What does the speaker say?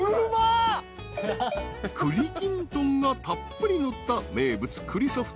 ［栗きんとんがたっぷりのった名物栗ソフトを爆食い］